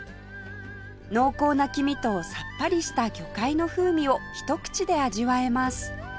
濃厚な黄身とサッパリとした魚介の風味をひと口で味わえます